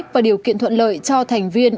và điều kiện thuận lợi cho thành viên